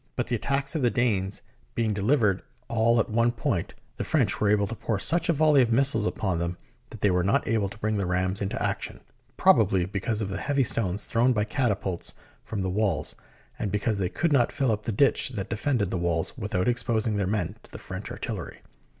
But the attacks of the Danes being delivered all at one point, the French were able to pour such a volley of missiles upon them that they were not able to bring the rams into action, probably because of the heavy stones thrown by catapults from the walls, and because they could not fill up the ditch that defended the walls without exposing their men to the French artillery.